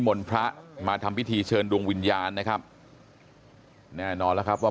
มนต์พระมาทำพิธีเชิญดวงวิญญาณนะครับแน่นอนแล้วครับว่า